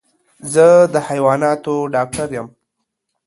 زه د حيواناتو ډاکټر يم.